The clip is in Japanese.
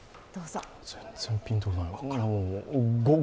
全然ピンとこない、５？